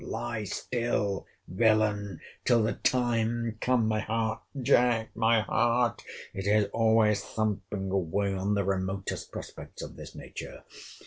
—Lie still, villain, till the time comes.—My heart, Jack! my heart!—It is always thumping away on the remotest prospects of this nature.